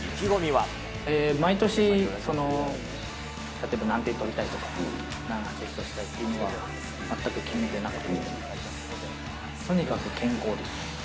毎年、例えば何点取りたいとか何アシストしたいというのは、全く決めてなくて、とにかく健康です。